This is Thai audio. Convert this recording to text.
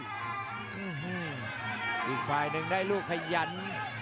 จังหวาดึงซ้ายตายังดีอยู่ครับเพชรมงคล